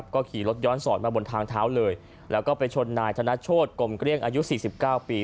ก็ขี่รถย้อนสอนมาบนทางเท้าเลยแล้วก็ไปชนนายธนโชธกลมเกลี้ยงอายุ๔๙ปี